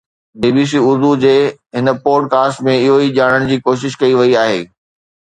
بي B C Urdu جي هن podcast ۾ اهو ئي ڄاڻڻ جي ڪوشش ڪئي وئي آهي